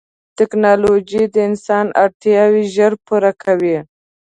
ټکنالوجي د انسان اړتیاوې ژر پوره کوي.